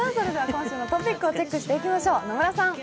今週のトピックをチェックしていきましょう。